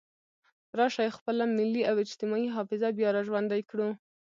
راشئ خپله ملي او اجتماعي حافظه بیا را ژوندۍ کړو.